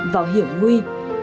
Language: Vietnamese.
vào hiểm nguy